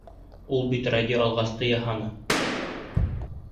Ул бит радиоалғысты яһаны.